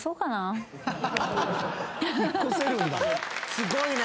すごいね。